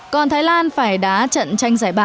còn thái lan phải đá trận tranh giải ba